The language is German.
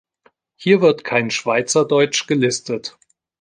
Hier wird kein Schweizerdeutsch gelistet.